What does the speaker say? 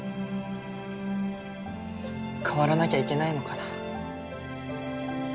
変わらなきゃいけないのかな。